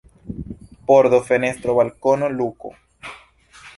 Pordo, fenestro, balkono, luko.